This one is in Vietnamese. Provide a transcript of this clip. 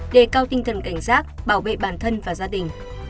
đề cao tinh thần cảnh giác bảo vệ bản thân và gia đình